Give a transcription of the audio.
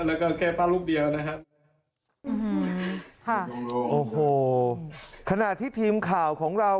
แล้วก็แก้ผ้าลูกเดียวนะครับอืมค่ะโอ้โหขณะที่ทีมข่าวของเรา